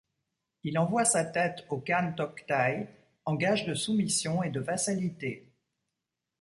Il envoie sa tête au Khan Toqtaï, en gage de soumission et de vassalité.